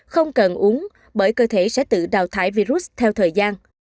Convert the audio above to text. không cần uống bởi cơ thể sẽ tự đào thải virus theo thời gian